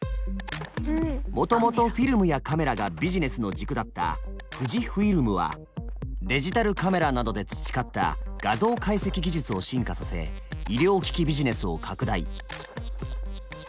もともとフィルムやカメラがビジネスの軸だった富士フイルムはデジタルカメラなどで培った画像解析技術を進化させ医療機器ビジネスを拡大。